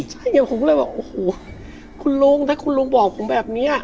ใช่อย่างผมก็เลยบอกโอ้โหคุณลุงถ้าคุณลุงบอกผมแบบนี้